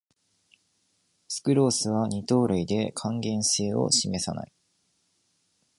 スクロースは二糖類で還元性を示さない